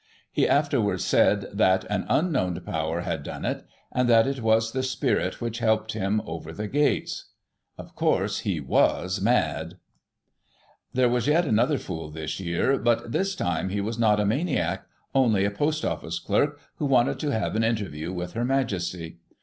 He afterwards said that " an unknown power had done it," and that "it was the Spirit which helped him over the gates." Of course he was mad Digiti ized by Google 1839] LUNATICS AND THE QUEEN. 115 There was yet another fool this year, but, this time, he was not a maniac — only a Post Office Clerk, who wanted to have an interview with Her Majesty.